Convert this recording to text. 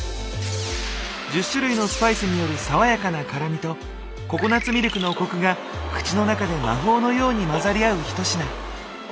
１０種類のスパイスによる爽やかな辛みとココナツミルクのコクが口の中で魔法のように混ざり合う一品。